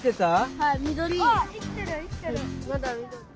はい緑。